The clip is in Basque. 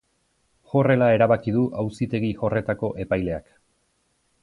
Horrela erabaki du auzitegi horretako epaileak.